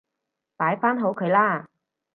擺返好佢啦